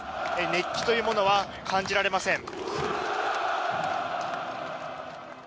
熱気というものは感じられません。